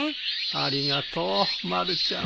ありがとうまるちゃん。